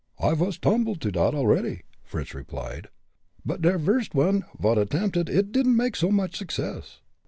"I vas tumbled to dot already," Fritz replied; "but der virst one vot attempted it didn't make so much success."